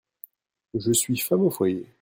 Je suis femme au foyer.